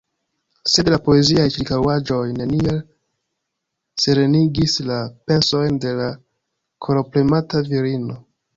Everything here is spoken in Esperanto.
Sed la poeziaj ĉirkaŭaĵoj neniel serenigis la pensojn de la korpremata virino.